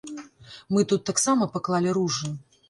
Мы тут таксама паклалі ружы.